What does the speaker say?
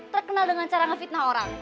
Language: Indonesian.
terkenal dengan cara ngefitnah orang